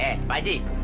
eh pak aji